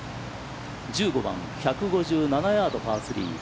１５番、１５７ヤード、パー３。